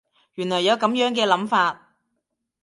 原來有噉樣嘅諗法